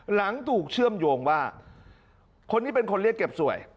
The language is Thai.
หลังถูกเชื่อมโยงว่าคนนี้เป็นคนเรียกเก็บสวย